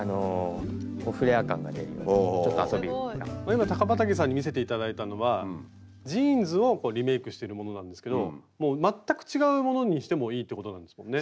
今高畠さんに見せて頂いたのはジーンズをこうリメイクしているものなんですけどもう全く違うものにしてもいいってことなんですもんね。